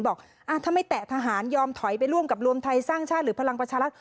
บอกถ้าไม่แตะทหารยอมถอยไปร่วมกับรวมไทยสร้างชาติหรือพลังประชารัฐ